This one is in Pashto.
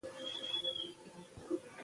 د خلکو ګډون ستونزې کموي